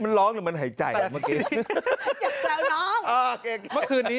มันร้องหรือมันหายใจเหรอเมื่อกี้